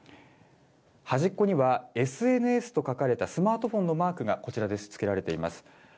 端っこにはＳＮＳと書かれたスマートフォンのマークがこちらです、つけられています。